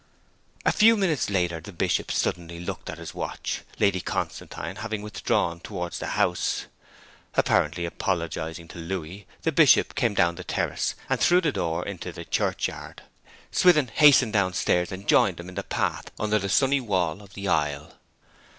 A few minutes later the Bishop suddenly looked at his watch, Lady Constantine having withdrawn towards the house. Apparently apologizing to Louis the Bishop came down the terrace, and through the door into the churchyard. Swithin hastened downstairs and joined him in the path under the sunny wall of the aisle.